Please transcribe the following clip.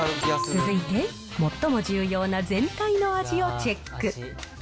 続いて、最も重要な全体の味をチェック。